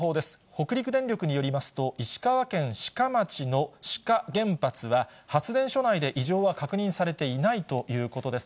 北陸電力によりますと、石川県志賀町の志賀原発は、発電所内で異常は確認されていないということです。